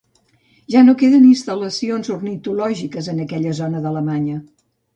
Ja no queden instal·lacions ornitològiques en aquella zona d’Alemanya.